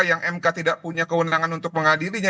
yang mk tidak punya kewenangan untuk mengadilinya